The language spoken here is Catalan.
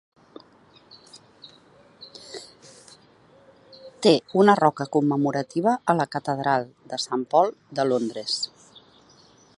Té una roca commemorativa a la catedral de Saint Paul de Londres.